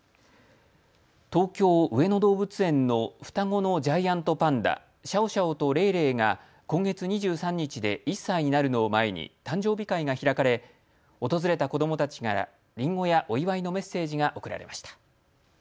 東京・上野動物園の双子のジャイアントパンダ、シャオシャオとレイレイが、今月２３日で１歳になるのを前に誕生日会が開かれ、訪れた子どもたちからりんごやお祝いのメッセージが贈られました。